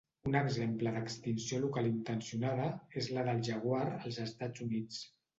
Un exemple d'extinció local intencionada és la del jaguar als Estats Units.